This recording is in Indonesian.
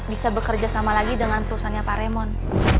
bisa bekerja sama lagi dengan perusahaannya pak raymond